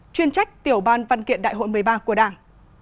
chuyên trách tiểu ban văn kiện đại hội một mươi ba của đảng